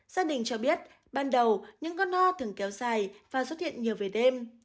gia đình cho biết ban đầu những con ho thường kéo dài và xuất hiện nhiều về đêm